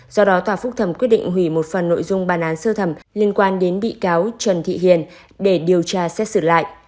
do đó tòa phúc thẩm quyết định hủy một phần nội dung bàn án sơ thẩm liên quan đến bị cáo trần thị hiền để điều tra xét xử lại